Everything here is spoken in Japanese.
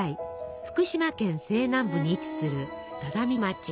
福島県西南部に位置する只見町。